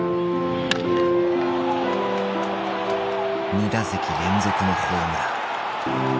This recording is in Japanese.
２打席連続のホームラン。